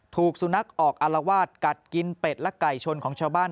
ถูกสุนัขออกอารวาสกัดกินเป็ดและไก่ชนของชาวบ้าน